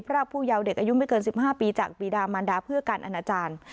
รากผู้เยาว์เด็กอายุไม่เกิน๑๕ปีจากปีดามันดาเพื่อการอนาจารย์